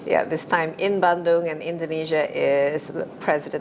ya kali ini di bandung dan indonesia adalah presiden